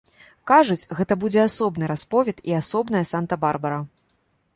Кажуць, гэта будзе асобны расповед і асобная санта-барбара!